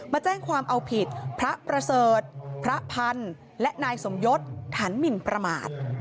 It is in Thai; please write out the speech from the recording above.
มาแจ้งความเอาผิดพระประเสริฐพระพันธ์และนายสมยศฐานหมินประมาท